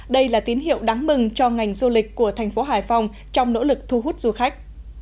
đây là tín hiệu đáng mừng cho ngành du lịch của thành phố hải phòng trong nỗ lực thu hút du khách